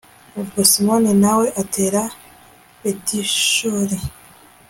ubwo simoni na we atera betishuri